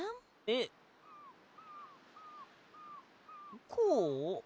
えっこう？